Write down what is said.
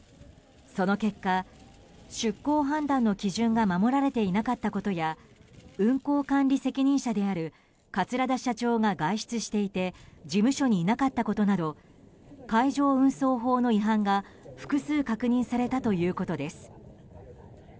その結果、出航判断の基準が守られていなかったことや運航管理責任者である桂田社長が外出していて事務所にいなかったことなど海上運送法の違反が複数確認されたということです。